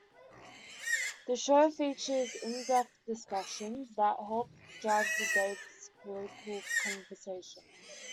The show features in-depth discussions that help drive the day's political conversation.